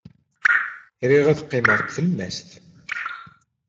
Riɣ ad qqimeɣ deg tlemmast.